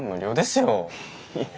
いや。